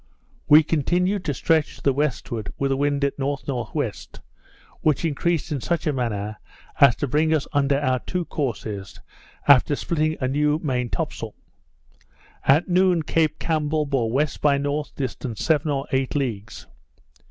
We continued to stretch to the westward with the wind at N.N.W., which increased in such a manner as to bring us under our two courses, after splitting a new main topsail. At noon Cape Campbell bore W. by N., distant seven or eight leagues.